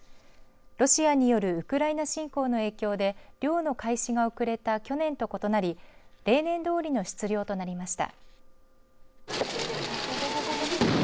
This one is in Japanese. ロシアによるウクライナ侵攻の影響で漁の開始が遅れた去年と異なり例年どおりの出漁となりました。